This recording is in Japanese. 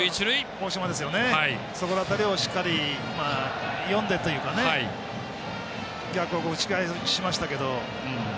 大島、そこら辺りを読んでというか逆を打ち返しましたけど。